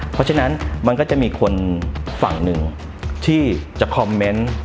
เพราะฉะนั้นมันก็จะมีคนฝั่งหนึ่งที่จะคอมเมนต์